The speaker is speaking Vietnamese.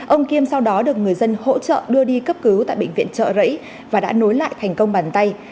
ông kiêm sau đó được người dân hỗ trợ đưa đi cấp cứu tại bệnh viện trợ rẫy và đã nối lại thành công bàn tay